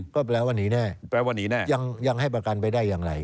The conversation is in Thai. ก็แปลว่าหนีแน่ยังให้ประกันไปได้อย่างไร